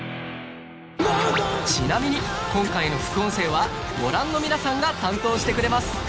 ちなみに今回の副音声はご覧の皆さんが担当してくれます